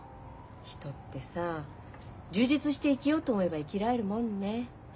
人ってさ充実して生きようと思えば生きられるものね。